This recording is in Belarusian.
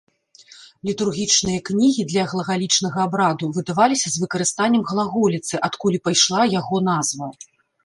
Літургічныя кнігі для глагалічнага абраду выдаваліся з выкарыстаннем глаголіцы, адкуль і пайшла яго назва.